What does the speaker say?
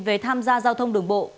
về tham gia giao thông đường bộ